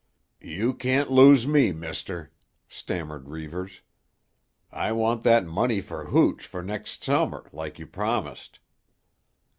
"You can't lose me, mister," stammered Reivers. "I want that money for hooch for next Summer like you promised."